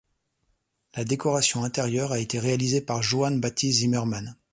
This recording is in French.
La décoration intérieure a été réalisée par Johann Baptist Zimmermann.